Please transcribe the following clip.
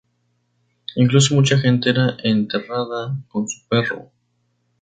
Incluso mucha gente era enterrada con su perro.